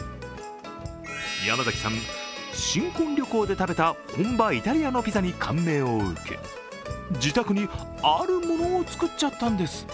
山崎さん、新婚旅行で食べた本場イタリアのピザに感銘を受け自宅にあるものをつくっちゃったんです。